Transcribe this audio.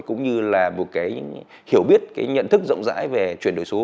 cũng như là một cái hiểu biết cái nhận thức rộng rãi về chuyển đổi số